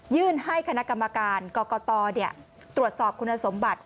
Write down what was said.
ให้คณะกรรมการกรกตตรวจสอบคุณสมบัติ